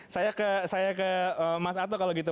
saya ke mas ato kalau gitu